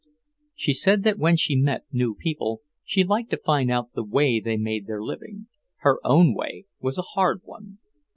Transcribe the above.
She said that when she met new people, she liked to find out the way they made their living; her own way was a hard one.